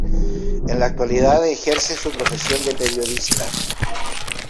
En la actualidad ejerce su profesión de periodista.